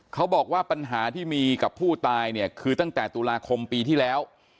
เขาบอกว่าปัญหาที่มีกับผู้ตายเนี่ยคือตั้งแต่ตุลาคมปีที่แล้ว